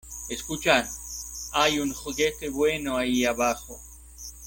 Escuchad. Hay un juguete bueno ahí abajo .